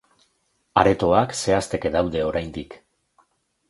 Aretoak zehazteke daude oraindik.